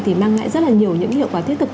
thì mang lại rất là nhiều những hiệu quả thiết thực